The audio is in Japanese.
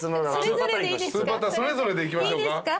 それぞれでいきましょうか。